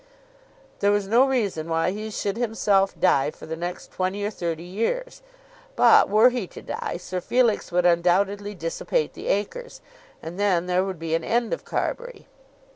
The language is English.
There was no reason why he should himself die for the next twenty or thirty years, but were he to die Sir Felix would undoubtedly dissipate the acres, and then there would be an end of Carbury.